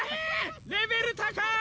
レベル高っ！